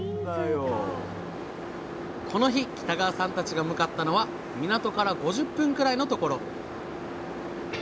この日北川さんたちが向かったのは港から５０分くらいのところ。